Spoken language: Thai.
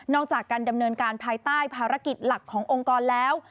จากการดำเนินการภายใต้ภารกิจหลักขององค์กรแล้ว